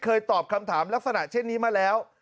ตอบคำถามลักษณะเช่นนี้มาแล้ว